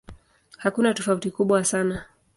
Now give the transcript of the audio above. Hakuna tofauti kubwa sana.